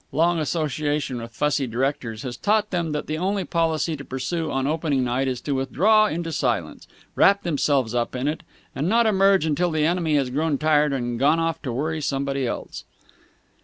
Long association with fussy directors has taught them that the only policy to pursue on opening nights is to withdraw into the silence, wrap themselves up in it, and not emerge until the enemy has grown tired and gone off to worry somebody else.